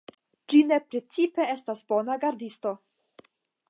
Ĝi ne precipe estas bona gardisto.